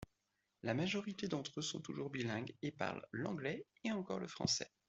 La majorité d'entre eux sont toujours bilingues et parlent l'anglais et encore le français.